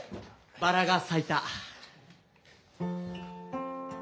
「バラが咲いた」。